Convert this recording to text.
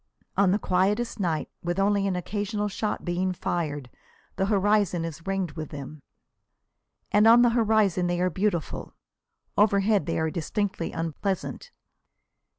On the quietest night, with only an occasional shot being fired, the horizon is ringed with them. And on the horizon they are beautiful. Overhead they are distinctly unpleasant.